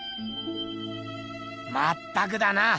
まったくだな。